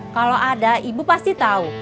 kalau ada ibu pasti tahu